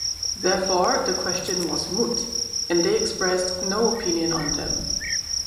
Therefore, the question was moot, and they expressed no opinion on them.